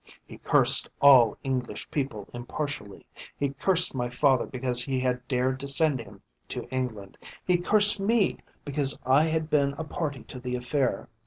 He cursed all English people impartially. He cursed my father because he had dared to send him to England. He cursed me because I had been a party to the affair.